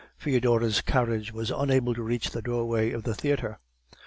Foedora's carriage was unable to reach the doorway of the theatre.